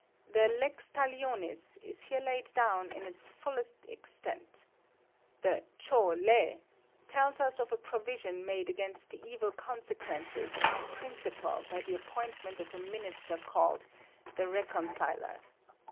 The lex talionis is here laid down in its fullest extent. The 'Chow Le' tells us of a provision made against the evil consequences of the principle by the appointment of a minister called 'The Reconciler.'